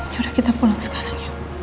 yaudah kita pulang sekarang